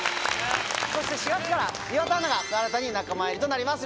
そして４月から岩田アナが新たに仲間入りとなります。